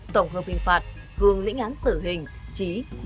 tổng hợp hình phạt gương lĩnh án tử hình